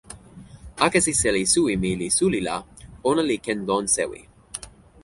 akesi seli suwi mi li suli la ona li ken lon sewi.